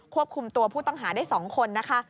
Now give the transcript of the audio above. ควบคุมตัวผู้ต้องหาได้๒คนนะคะ